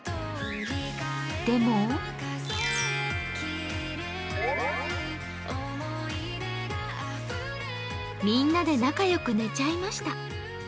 でもみんなで仲良く寝ちゃいました。